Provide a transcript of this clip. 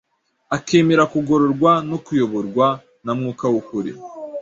akemera kugororwa no kuyoborwa na Mwuka w’ukuri.